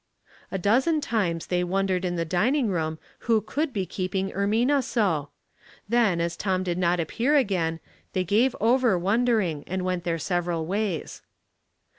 A dozen times they wondered in the dining room who could be keeping Ermina so. Then, as Tom did not appear again, they gave over wondering and went their several ways.